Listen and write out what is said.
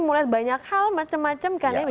mau lihat banyak hal macam macam kan